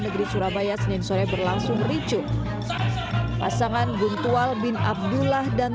negeri surabaya senin sore berlangsung ricu pasangan guntual bin abdullah dan